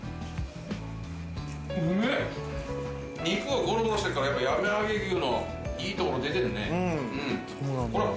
肉がゴロゴロしてっからやっぱ山あげ牛のいいところ出てるね。